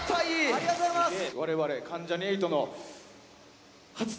ありがとうございます！